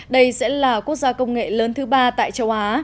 đây sẽ là quốc gia công nghệ lớn thứ ba tại châu á